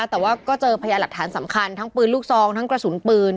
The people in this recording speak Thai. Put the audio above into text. แต่ว่าก็เจอพยานหลักฐานสำคัญทั้งปืนลูกซองทั้งกระสุนปืน